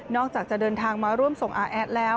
อกจากจะเดินทางมาร่วมส่งอาแอดแล้ว